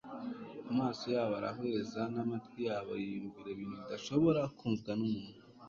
Amaso yabo arahweza n'amatwi yabo yiyumvira ibintu bidashobora kumvwa n'umuntu.